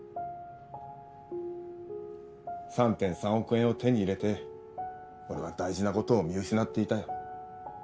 ３．３億円を手に入れて俺は大事な事を見失っていたよ。